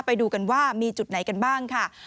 ไปดูกันว่ามีจุดไหนกันบ้างค่ะ